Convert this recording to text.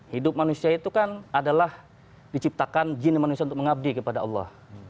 hidup manusia itu kan adalah diciptakan jini manusia untuk mengabdi kepada allah